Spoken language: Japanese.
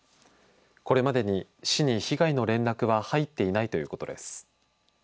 これまでに市に被害の連絡は入っていないということです。